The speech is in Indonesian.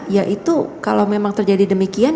ya itu kalau memang terjadi demikian